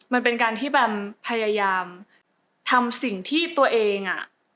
มันเป็นการที่แบมพยายามทำสิ่งที่ตัวเองอ่ะ